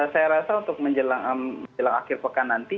saya rasa untuk menjelang akhir pekan nanti